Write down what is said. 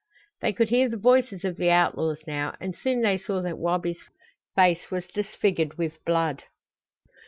They could hear the voices of the outlaws now, and soon they saw that Wabi's face was disfigured with blood.